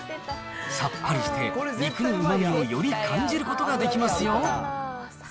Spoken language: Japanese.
さっぱりして、肉のうまみをより感じることができますよ。